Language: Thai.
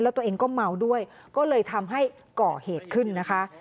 แล้วตัวเองก็เมาด้วยก็เลยทำให้ก่อเหตุขึ้นนะคะ